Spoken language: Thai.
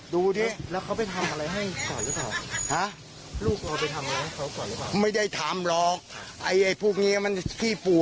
ดูดิแล้วเขาไปทำอะไรให้ก่อนหรือเปล่า